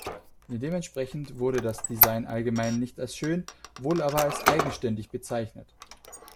Dementsprechend wurde das Design allgemein nicht als schön, wohl aber als eigenständig bezeichnet.